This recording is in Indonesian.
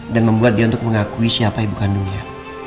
dan membuat dia untuk mengakui siapa yang bukan dunia